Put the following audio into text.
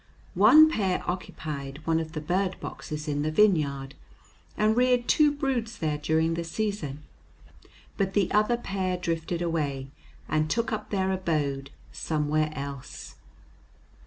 One pair occupied one of the bird boxes in the vineyard and reared two broods there during the season, but the other pair drifted away and took up their abode somewhere else.